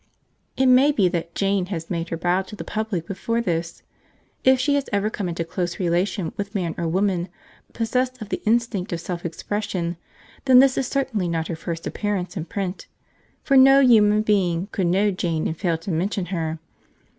It may be that Jane has made her bow to the public before this. If she has ever come into close relation with man or woman possessed of the instinct of self expression, then this is certainly not her first appearance in print, for no human being could know Jane and fail to mention her.